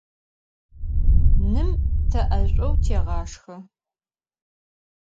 Nım te 'eş'ou têğaşşxe.